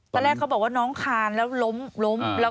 ตอนแรกเขาบอกว่าน้องคานแล้วล้ม